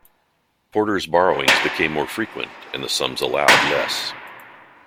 Porter's borrowings became more frequent, and the sums allowed less.